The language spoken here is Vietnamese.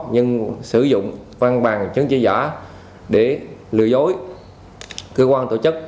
nhưng sử dụng văn bằng chứng chỉ giả để lừa dối cơ quan tổ chức